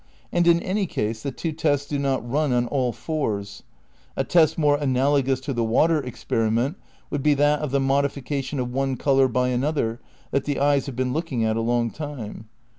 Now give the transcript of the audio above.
And in any case the two tests do not run on aU fours. A test more analogous to the water ex periment would be that of the modification of one col our by another that the eyes have been looking at a long time.